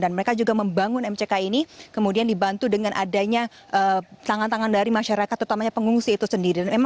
dan mereka juga membangun mck ini kemudian dibantu dengan adanya tangan tangan dari masyarakat terutamanya pengungsi itu sendiri